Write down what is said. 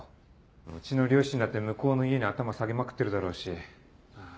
うちの両親だって向こうの家に頭下げまくってるだろうし。